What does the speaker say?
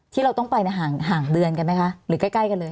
ที่เราต้องไปห่างเดือนกันไหมคะหรือใกล้กันเลย